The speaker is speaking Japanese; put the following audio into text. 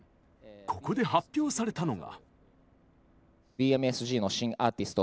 ここで発表されたのが。